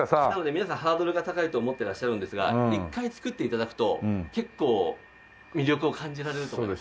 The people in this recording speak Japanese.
皆さんハードルが高いと思ってらっしゃるんですが一回作って頂くと結構魅力を感じられると思います。